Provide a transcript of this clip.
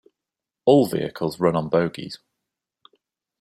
All vehicles run on bogies.